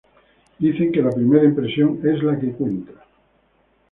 Dicen que la primera impresión es la que cuenta.